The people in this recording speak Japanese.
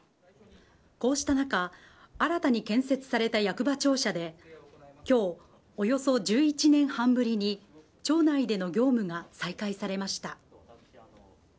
こうした中、新たに建設された役場庁舎で、きょう、およそ１１年半ぶりに町内での業務が再開されました。